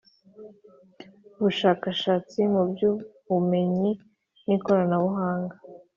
bushakashatsi mu by ubumenyi n ikoranabuhanga